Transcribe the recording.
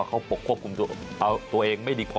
เขาปกควบคุมตัวเองไม่ดีพอ